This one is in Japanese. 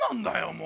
もう。